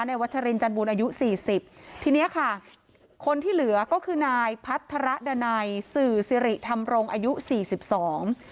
วัชรินจันบูรณอายุสี่สิบทีเนี้ยค่ะคนที่เหลือก็คือนายพัฒระดันัยสื่อสิริธรรมรงค์อายุสี่สิบสอง